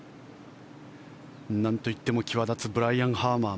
なんといっても際立つブライアン・ハーマン。